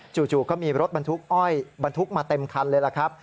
จู่ก็มีรถบรรทุกอ้อยบรรทุกมาเต็มคันเลยล่ะครับ